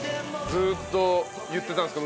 ずーっと言ってたんですか？